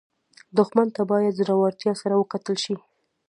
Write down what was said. دښمن ته باید زړورتیا سره وکتل شي